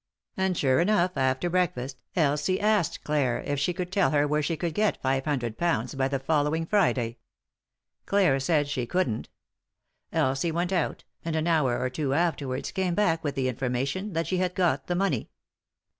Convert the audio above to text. And, sure enough, after breakfast, Elsie asked Clare if she could tell her where she could get ^500 by the 263 3i 9 iii^d by Google THE INTERRUPTED KISS following Friday ; Clare said she couldn't. Elsie vent out, and an hour or two afterwards came back with the information that she had got the money.